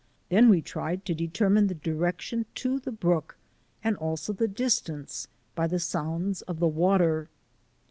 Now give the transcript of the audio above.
Then we tried to determine the direction to the brook, and also the distance, by the sounds of the water.